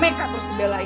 mereka terus dibelain